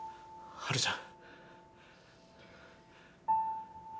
春ちゃん！